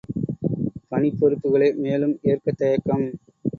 பணிப் பொறுப்புக்களை மேலும் ஏற்கத் தயக்கம்!